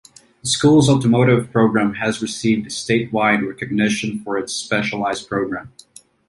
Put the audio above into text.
The school's automotive program has received statewide recognition for its specialized program.